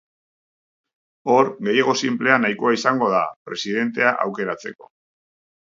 Hor, gehiengo sinplea nahikoa izango da, presidentea aukeratzeko.